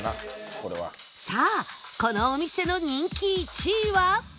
さあこのお店の人気１位は？